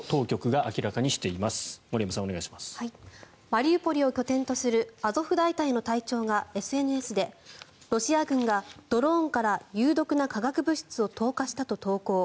マリウポリを拠点とするアゾフ大隊の隊長がＳＮＳでロシア軍がドローンから有毒な化学兵器を投下したと投稿。